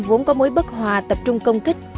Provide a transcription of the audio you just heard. vốn có mối bất hòa tập trung công kích